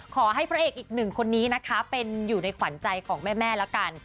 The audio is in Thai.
พระเอกอีกหนึ่งคนนี้นะคะเป็นอยู่ในขวัญใจของแม่แล้วกัน